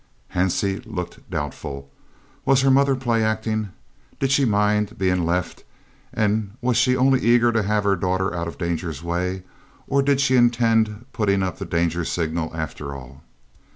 Hansie looked doubtful. Was her mother play acting? Did she mind being left, and was she only eager to have her daughter out of danger's way? Or did she intend putting up the danger signal, after all?